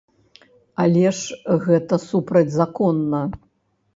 Але ж гэта супрацьзаконна!